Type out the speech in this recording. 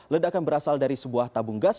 ledakan berasal dari sebuah tabung gas